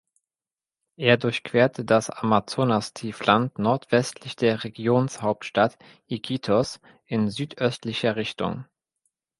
Er durchquert das Amazonastiefland nordwestlich der Regionshauptstadt Iquitos in südöstlicher Richtung.